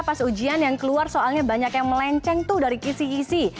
pas ujian yang keluar soalnya banyak yang melenceng tuh dari kisi kisi